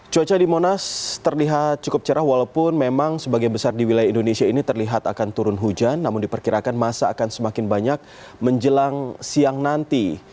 cuaca di monas terlihat cukup cerah walaupun memang sebagian besar di wilayah indonesia ini terlihat akan turun hujan namun diperkirakan masa akan semakin banyak menjelang siang nanti